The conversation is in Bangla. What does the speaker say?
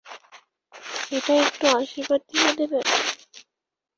এটায় একটু আশীর্বাদ দিয়ে দেবেন?